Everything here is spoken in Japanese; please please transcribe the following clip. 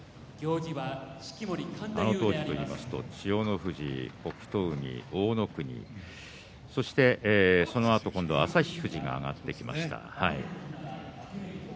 あの当時といいますと千代の富士、北勝海、大乃国そして、そのあと今度は旭富士が上がってきました。